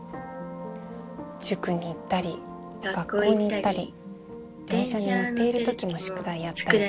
塾に行ったり学校に行ったり電車に乗っている時も宿題やったり。